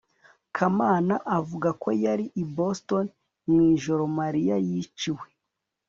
kamana avuga ko yari i boston mu ijoro mariya yiciwe